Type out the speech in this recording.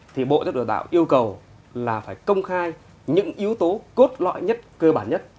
thì bộ giáo dục đào tạo yêu cầu là phải công khai những yếu tố cốt lõi nhất cơ bản nhất